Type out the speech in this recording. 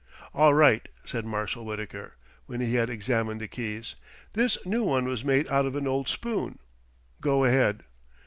"All right," said Marshal Wittaker, when he had examined the keys. "This new one was made out of an old spoon. Go ahead."